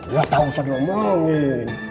ya tak usah diomongin